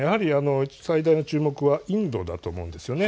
最大の注目はインドだと思うんです。